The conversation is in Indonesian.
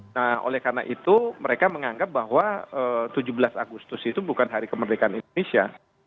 nah oleh karena itu mereka menganggap bahwa tujuh belas agustus itu bukan hari kemerdekaan indonesia